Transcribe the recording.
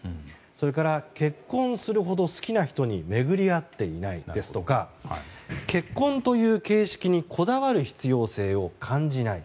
それから、結婚するほど好きな人に巡り合っていないですとか結婚という形式にこだわる必要性を感じない。